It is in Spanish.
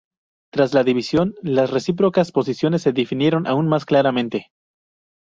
Tras la división, las recíprocas posiciones se definieron aún más claramente.